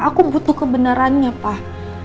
aku butuh kebenarannya pak